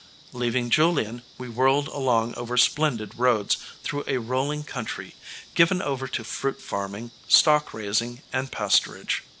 Leaving Julian, we whirled along over splendid roads through a rolling country, given over to fruit farming, stock raising and pasturage.